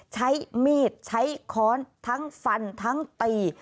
ใช้มีดใช้ค้อนทั้งฟันทั้งตี